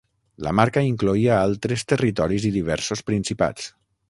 La marca incloïa altres territoris i diversos principats.